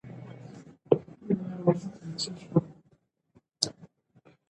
ملک محمد ژړل او کیسې یې کولې.